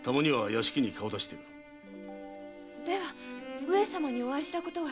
では上様にお会いしたことは？